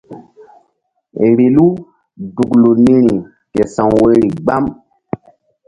Vbilu duklu niri ke sa̧w woyri gbam.